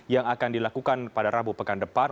yang akan dilakukan pada rabu pekan depan